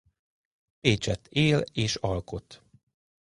Pécsett él és alkot.